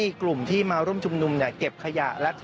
มาดูบรรจากาศมาดูความเคลื่อนไหวที่บริเวณหน้าสูตรการค้า